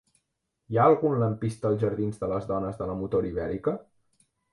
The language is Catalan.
Hi ha algun lampista als jardins de les Dones de la Motor Ibèrica?